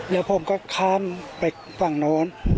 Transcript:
แล้วผมก็ข้ามไปฝั่งโน้น